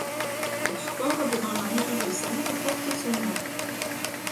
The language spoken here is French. Le square devant la mairie de Saintes porte son nom.